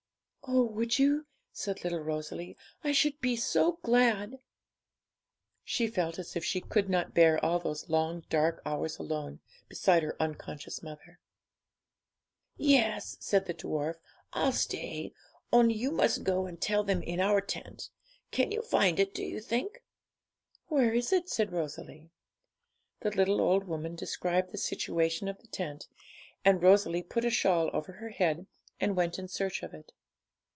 'Oh would you?' said little Rosalie; 'I should be so glad!' She felt as if she could not bear all those long, dark hours alone, beside her unconscious mother. 'Yes,' said the dwarf, 'I'll stay; only you must go and tell them in our tent. Can you find it, do you think?' 'Where is it?' said Rosalie. The little old woman described the situation of the tent, and Rosalie put a shawl over her head, and went in search of it.